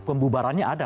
pembubarannya ada